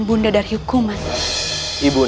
bunda dari hukuman ibu